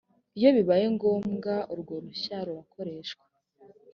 iyo bibaye ngombwa urwo ruhushya rurakoreshwa.